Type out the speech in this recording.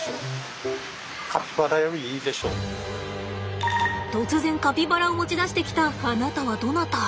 突然カピバラを持ち出してきたあなたはどなた？